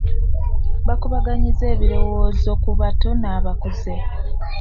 Bakubaganyizza ebirowoozo ku bato n'abakuze.